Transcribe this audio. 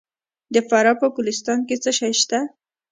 د فراه په ګلستان کې څه شی شته؟